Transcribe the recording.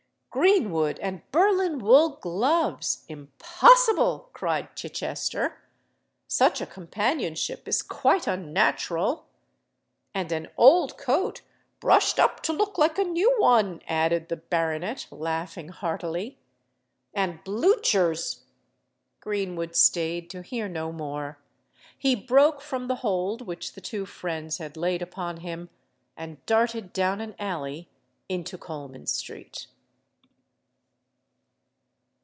"Greenwood and Berlin wool gloves—impossible!" cried Chichester. "Such a companionship is quite unnatural!" "And an old coat brushed up to look like a new one," added the baronet, laughing heartily. "And bluchers——" Greenwood stayed to hear no more: he broke from the hold which the two friends had laid upon him, and darted down an alley into Coleman Street.